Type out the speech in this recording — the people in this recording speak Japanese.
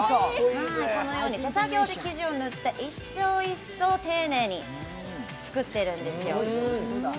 このように手作業で生地を塗って、１層１層作ってるんですよ。